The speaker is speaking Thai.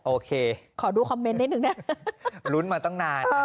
โอเครุ้นมาตั้งนานนะขอดูคอมเมนต์นิดหนึ่งนะ